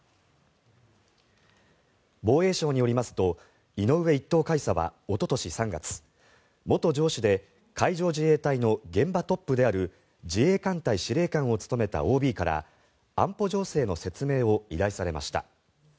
防衛省によりますと井上１等海佐はおととし３月元上司で海上自衛隊の現場トップである自衛艦隊司令官を務めたＯＢから安保情勢の説明を依頼されました。